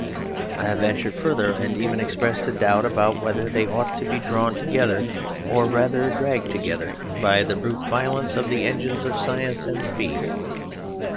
I have ventured farther; and even expressed a doubt about whether they ought to be drawn together, or rather dragged together, by the brute violence of the engines of science and speed.